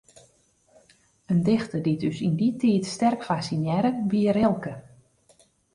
In dichter dy't ús yn dy tiid sterk fassinearre, wie Rilke.